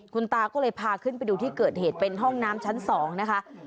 คุณตาก็เลยพาขึ้นไปดูที่เกิดเหตุเป็นห้องน้ำชั้น๒นะคะ